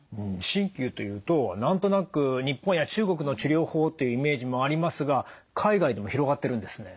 鍼灸というと何となく日本や中国の治療法っていうイメージもありますが海外でも広がってるんですね。